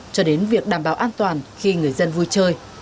cho đến việc đảm bảo an toàn khi người dân vui chơi